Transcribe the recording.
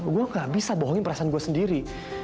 gue gak bisa bohongin perasaan gue sendiri